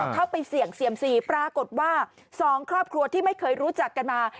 เข้าไปเสี่ยงเซียมซีปรากฏว่า๒ครอบครัวที่ไม่เคยรู้จักกันมา